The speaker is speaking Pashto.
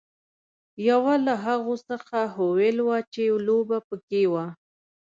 یوه له هغو څخه هویل وه چې لوبه پکې وه.